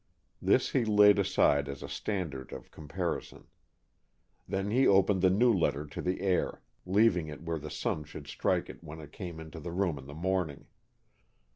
This he laid aside as a standard of comparison. Then he opened the new letter to the air, leaving it where the sun should strike it when it came into the room in the morning.